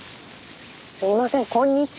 すいませんこんにちは。